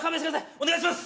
お願いします！